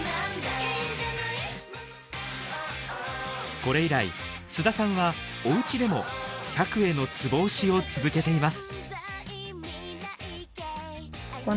これ以来須田さんはお家でも百会のツボ押しを続けています。